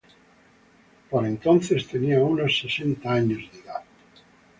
Por entonces tenía unos sesenta años de edad.